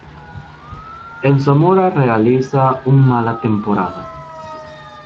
En Zamora realiza un mala temporada.